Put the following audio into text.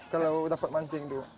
kalau dapat mancing itu